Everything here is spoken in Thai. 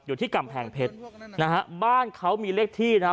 อยู่ที่กำแพงเพชรนะฮะบ้านเขามีเลขที่นะฮะ